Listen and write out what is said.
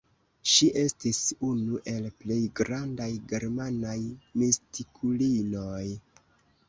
Ŝi estis unu el plej grandaj germanaj mistikulinoj.